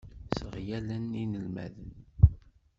Sseɣyalen inelmaden.